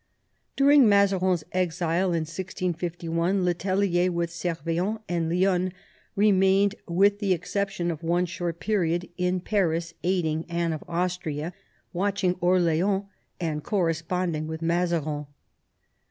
During Mazarin's exile in 1651 le Tellier, with Servien and Lionne, remained, with the exception of one short period, in Paris, aiding Anne of Austria, watching Orleans, and corresponding with Mazarin.